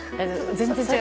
全然違う。